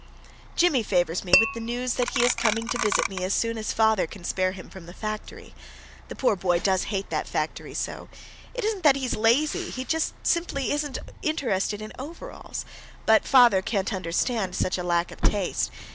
Jimmie favors me with the news that he is coming to visit me as soon as father can spare him from the factory. The poor boy does hate that factory so! It isn't that he is lazy; he just simply isn't interested in overalls. But father can't understand such a lack of taste.